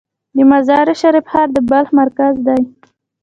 د مزار شریف ښار د بلخ مرکز دی